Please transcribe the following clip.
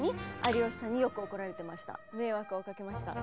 迷惑をかけました。